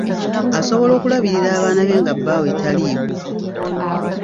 Asobola okulabirira abaana be nga bbaawe taliiwo.